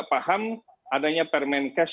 paham adanya permen cash